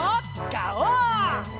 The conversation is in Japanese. ガオー！